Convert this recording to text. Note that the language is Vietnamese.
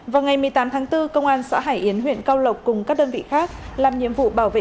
vào ngày một mươi tám tháng bốn công an xã hải yến huyện cao lộc cùng các đơn vị khác làm nhiệm vụ bảo vệ